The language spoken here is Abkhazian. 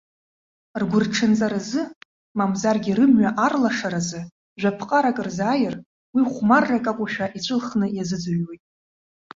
Ргәырҽанҵаразы, мамзаргьы рымҩа арлашаразы жәаԥҟарак рзааир, уи хәмаррак акәушәа, иҵәылхны иазыӡырҩуеит.